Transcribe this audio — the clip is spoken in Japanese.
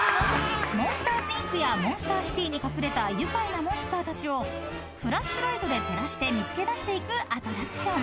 ［モンスターズ・インクやモンスター・シティに隠れた愉快なモンスターたちをフラッシュライトで照らして見つけだしていくアトラクション］